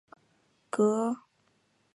革叶车前为车前科车前属下的一个亚种。